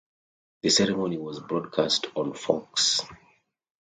The ceremony was broadcast on Fox.